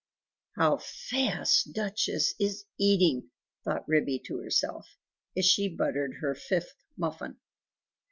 "How fast Duchess is eating!" thought Ribby to herself, as she buttered her fifth muffin.